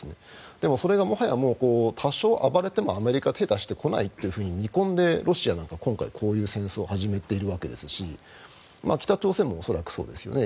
でも、それがもはや多少暴れてもアメリカは手を出してこないと見込んでロシアなんかは今回、こういう戦争を始めているわけですし北朝鮮も恐らくそうですよね。